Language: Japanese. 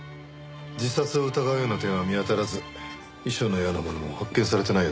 自殺を疑うような点は見当たらず遺書のようなものも発見されてないようですけどね。